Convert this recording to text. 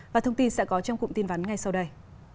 và thông tin sẽ có trong cụm tin vắn ngay sau đây